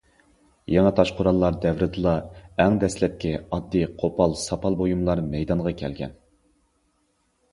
يېڭى تاش قوراللار دەۋرىدىلا ئەڭ دەسلەپكى ئاددىي، قوپال ساپال بۇيۇملار مەيدانغا كەلگەن.